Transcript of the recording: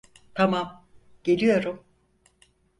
Tamam, geliyorum.